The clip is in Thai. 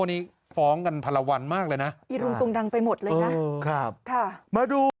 นี้ฟ้องกันพลวนมากเลยนะอีทุนตุงดังไปหมดเลยนะครับมาดู